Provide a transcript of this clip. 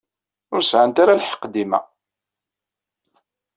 Ur sɛant ara lḥeqq dima.